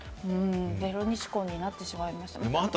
０日婚になってしまいました。